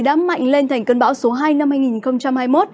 đã mạnh lên thành cơn bão số hai năm hai nghìn hai mươi một